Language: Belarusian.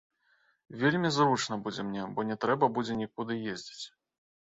Вельмі зручна будзе мне, бо не трэба будзе нікуды ездзіць.